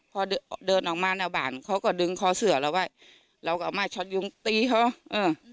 พอเดินเดินออกมาหน้าบ้านเขาก็ดึงคอเสือเราไว้เราก็เอามาช็อตยุงตีเขาเออ